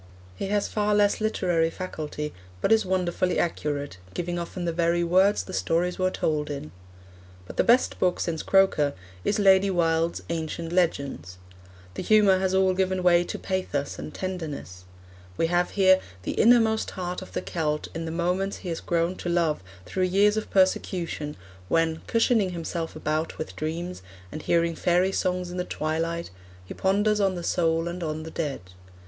He has far less literary faculty, but is wonderfully accurate, giving often the very words the stories were told in. But the best book since Croker is Lady Wilde's Ancient Legends. The humour has all given way to pathos and tenderness. We have here the innermost heart of the Celt in the moments he has grown to love through years of persecution, when, cushioning himself about with dreams, and hearing fairy songs in the twilight, he ponders on the soul and on the dead.